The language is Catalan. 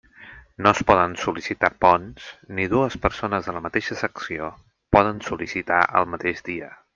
No es poden sol·licitar ponts, ni dues persones de la mateixa secció poden sol·licitar el mateix dia.